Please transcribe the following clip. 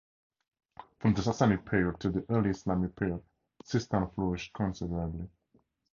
From the Sassanid period till the early Islamic period, Sistan flourished considerably.